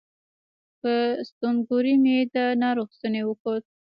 په ستونګوري مې د ناروغ ستونی وکوت